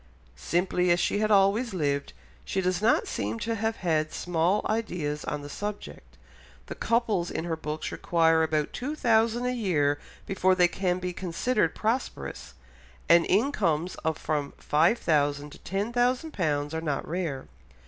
Simply as she had always lived, she does not seem to have had small ideas on the subject, the couples in her books require about two thousand a year before they can be considered prosperous, and incomes of from five thousand to ten thousand pounds are not rare.